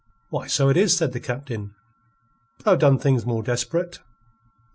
"Why, so it is," said the Captain. "But I've done things more desperate."